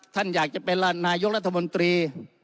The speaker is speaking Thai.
ท่านอยากจะเป็นนายกรัฐมนตรี